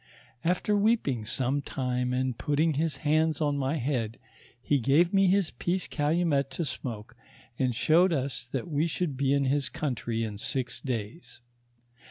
After weeping some time, and putting his hands on my head, he gave me his peace calumet to smoke, and showed us that we should be in his country in six days.